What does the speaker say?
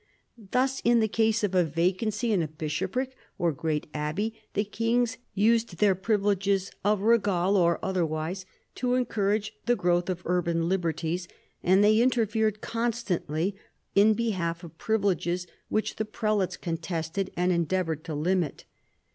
Thus in the case of a vacancy in a bishopric or great abbey the kings used their privileges — of regale or other wise — to encourage the growth of urban liberties ; and they interfered constantly in behalf of privileges which the prelates contested and endeavoured to limit.